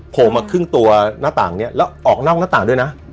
โผล่มาครึ่งตัวหน้าต่างนี้แล้วออกนอกหน้าต่างด้วยนะ